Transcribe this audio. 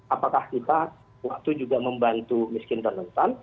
apakah kita waktu juga membantu miskin dan rentan